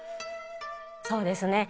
そうですね。